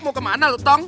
mau kemana lu tom